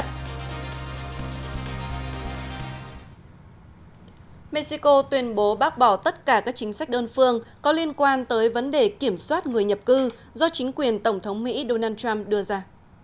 trong phần tin quốc tế mexico bác bỏ các chính sách đơn phương có liên quan tới vấn đề kiểm soát người nhập cư do chính quyền tổng thống mỹ donald trump đưa ra